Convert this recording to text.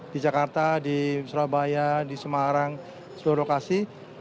di jakarta di surabaya di semarang seluruh lokasi